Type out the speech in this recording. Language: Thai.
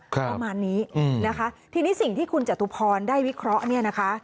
ประมาณนี้นะคะทีนี้สิ่งที่คุณจตุพรได้วิเคราะห์เนี่ยนะคะ